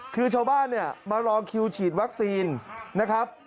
คือชาวบ้านเนี่ยมารอคิวฉีดวัคซีนนะครับ